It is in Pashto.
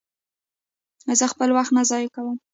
زه خپل وخت نه ضایع کوم.